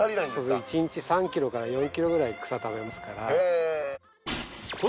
１日３キロから４キロくらい草食べますから。